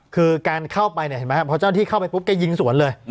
คือการเข้าไปเนี่ยเพราะเจ้าที่เข้าไปปุ๊บแกยิงสวนเลย